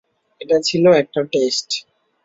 এটা ছিল একটা টেস্ট!